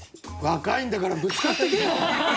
若いんだからぶつかっていけよ！